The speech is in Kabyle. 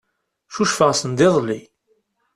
Cucfeɣ sendiḍelli.